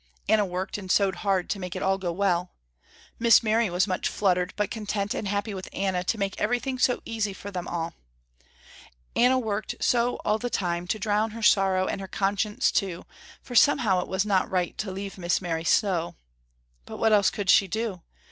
Anna worked and sewed hard to make it all go well. Miss Mary was much fluttered, but content and happy with Anna to make everything so easy for them all. Anna worked so all the time to drown her sorrow and her conscience too, for somehow it was not right to leave Miss Mary so. But what else could she do?